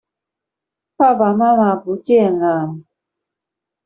爸爸媽媽不見了